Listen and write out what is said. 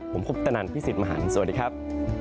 ผมคุปตนันพี่สิทธิ์มหันฯสวัสดีครับ